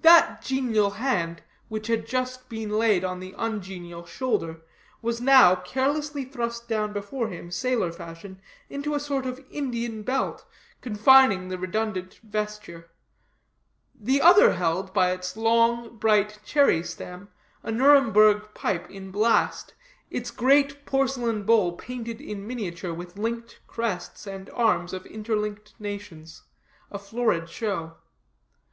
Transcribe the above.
That genial hand, which had just been laid on the ungenial shoulder, was now carelessly thrust down before him, sailor fashion, into a sort of Indian belt, confining the redundant vesture; the other held, by its long bright cherry stem, a Nuremburgh pipe in blast, its great porcelain bowl painted in miniature with linked crests and arms of interlinked nations a florid show.